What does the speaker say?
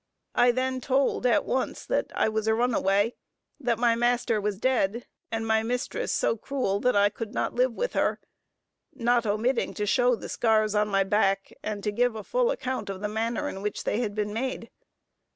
I then told at once that I was a runaway: that my master was dead, and my mistress so cruel that I could not live with her: not omitting to show the scars on my back, and to give a full account of the manner in which they had been made.